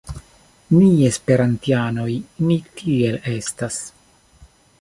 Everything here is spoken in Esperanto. Ni esperantianoj, ni tiel estas